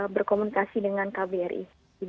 berkomunikasi dengan kbri